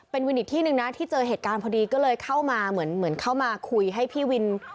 เป็นวินอีกที่หนึ่งนะที่เจอเหตุการณ์พอดีก็เลยเข้ามาเหมือนเข้ามาคุยให้พี่วิน